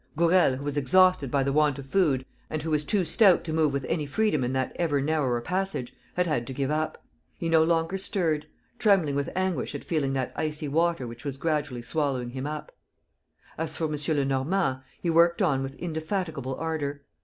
Gourel, who was exhausted by the want of food and who was too stout to move with any freedom in that ever narrower passage, had had to give up. He no longer stirred, trembling with anguish at feeling that icy water which was gradually swallowing him up. As for M. Lenormand, he worked on with indefatigable ardor.